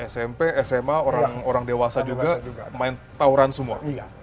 smp sma orang dewasa juga main tauran semua